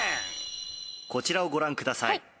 「こちらをご覧ください」